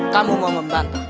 kamu mau membantah